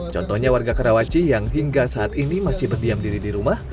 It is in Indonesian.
contohnya warga karawaci yang hingga saat ini masih berdiam diri di rumah